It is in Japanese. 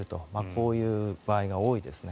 こういう場合が多いですね。